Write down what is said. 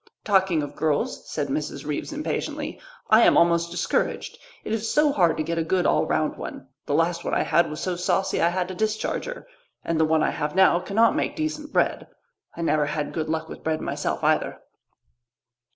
"Talking of girls," said Mrs. Reeves impatiently, "I am almost discouraged. It is so hard to get a good all round one. The last one I had was so saucy I had to discharge her, and the one I have now cannot make decent bread. I never had good luck with bread myself either."